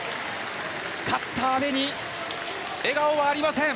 勝った阿部に笑顔はありません。